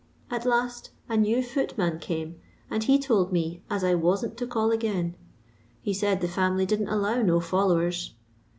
At last a new footman came, and he told me as I wasn't to call again ; he said, the family didn't allow no followers.